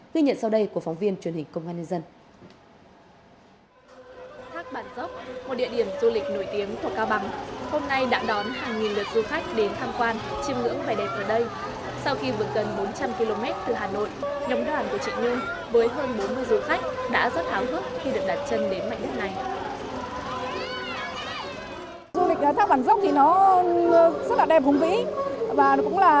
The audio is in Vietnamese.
ghi nhận sau đây của phóng viên truyền hình công an nhân dân